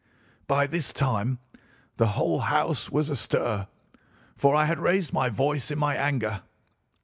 "By this time the whole house was astir, for I had raised my voice in my anger.